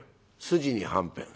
「筋にはんぺん」。